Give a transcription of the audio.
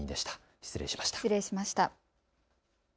失礼しました。